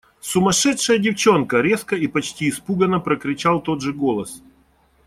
– Сумасшедшая девчонка! – резко и почти испуганно прокричал тот же голос.